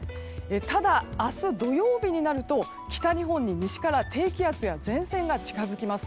ただ、明日土曜日になると北日本に、西から低気圧や前線が近づきます。